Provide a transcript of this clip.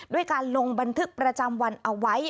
ด้วยการลงบันทึกประจำวันเอาไว้